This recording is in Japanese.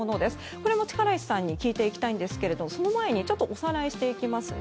これも力石さんに聞いていきたいんですがその前に、ちょっとおさらいしていきますね。